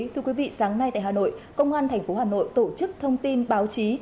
thưa quý vị sáng nay tại hà nội công an tp hà nội tổ chức thông tin báo chí